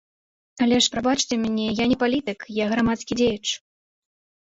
Але ж, прабачце мне, я не палітык, я грамадскі дзеяч.